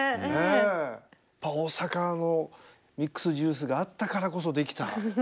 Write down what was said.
やっぱ大阪のミックスジュースがあったからこそできた。